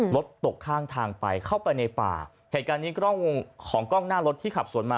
รถตกข้างทางไปเข้าไปในป่าเหตุการณ์นี้กล้องวงของกล้องหน้ารถที่ขับสวนมา